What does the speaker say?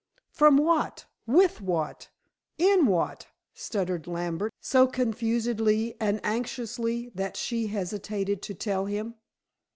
"From what with what in what?" stuttered Lambert, so confusedly and anxiously that she hesitated to tell him.